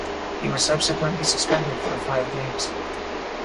He was subsequently suspended for five games.